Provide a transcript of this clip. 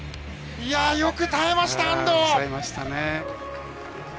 いやぁ、よく耐えました、安藤。